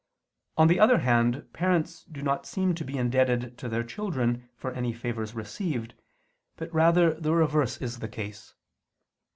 On the other hand parents do not seem to be indebted to their children for any favors received, but rather the reverse is the case.